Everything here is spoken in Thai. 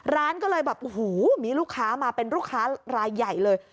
ร้านก็เลยแบบโอ้โหมีลูกค้ามาเป็นลูกค้ารายใหญ่เลย